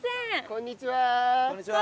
こんにちは！